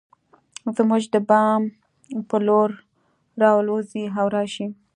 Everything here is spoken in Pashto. زموږ د بام پر لور راوالوزي او راشي